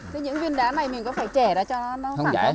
thế những viên đá này mình có phải chẻ ra cho nó phẳng không